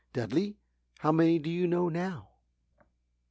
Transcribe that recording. Dudley, how many do you know now?"